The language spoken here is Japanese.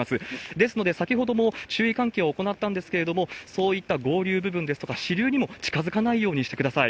ですので、先ほども注意喚起を行ったんですけれども、そういった合流部分ですとか、支流にも近づかないようにしてください。